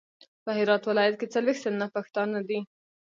په هرات ولایت کې څلویښت سلنه پښتانه دي.